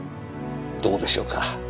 どうでしょうか。